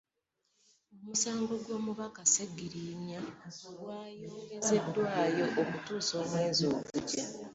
Omusango gw'omubaka Ssegirinnya gwayongezeddwayo okutuusa omwezi ogujja.